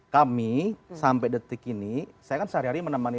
kami sampai detik ini saya kan sehari hari menemani